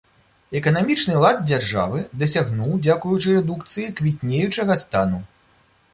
Эканамічны лад дзяржавы дасягнуў дзякуючы рэдукцыі квітнеючага стану.